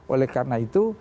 oleh karena itu